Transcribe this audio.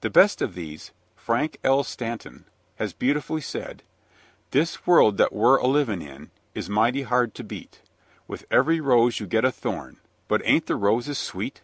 The best of these, Frank L. Stanton, has beautifully said: "This world that we're a livin' in Is mighty hard to beat; With every rose you get a thorn, But ain't the roses sweet?"